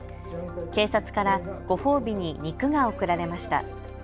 警察からご褒美に肉が贈られました。